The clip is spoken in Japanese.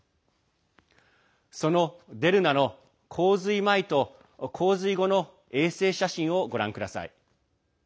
そのデルナの洪水前と洪水後の衛星写真をご覧ください。